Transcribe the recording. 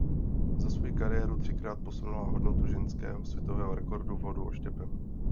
Za svoji kariéru třikrát posunula hodnotu ženského světového rekordu v hodu oštěpem.